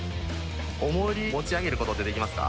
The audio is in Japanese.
重り持ち上げることってできますか？